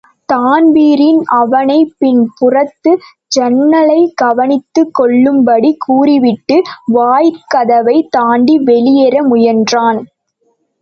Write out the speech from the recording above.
Dan Breen அவனை பின் புறத்து ஜன்னலைக் கவனித்துக் கொள்ளும்படி கூறிவிட்டு வாயிற்கதவைத் தாண்டி வெளியேற முயன்றான்.